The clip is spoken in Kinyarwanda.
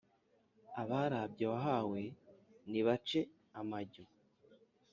abarabye wahawe nibace amajyo,